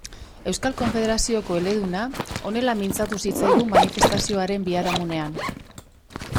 Euskal Konfederazioko eleduna honela mintzatu zitzaigun manifestazioaren biharamunean.